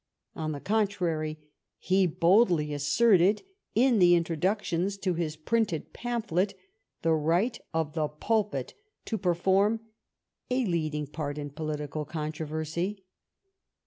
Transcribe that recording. On the contrary, he boldly asserted, in the in troductions to his printed pamphlet, the right of the pulpit to perform a leading part in political contro versy.